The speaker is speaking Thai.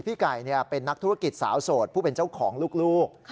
พี่ไก่เป็นนักธุรกิจสาวโสดผู้เป็นเจ้าของลูก